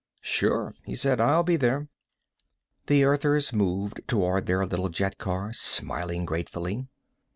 "Sure," he said. "I'll be there." The Earthers moved toward their little jetcar, smiling gratefully.